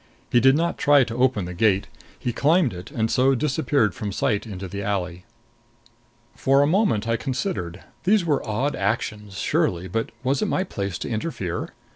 He did not try to open the gate; he climbed it, and so disappeared from sight into the alley. For a moment I considered. These were odd actions, surely; but was it my place to interfere?